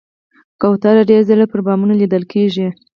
کوتره ډېر ځله پر بامونو لیدل کېږي.